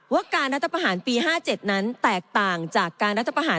ว่าการรัฐประหารปี๕๗นั้นแตกต่างจากการรัฐประหาร